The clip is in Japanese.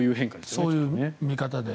そういう見方。